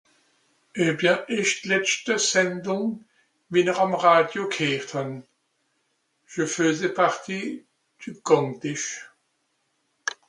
(...) ìsch d'letschte Sendùng, wie-n-r àm Radio gheert hàn? (Je faisais partie du (...))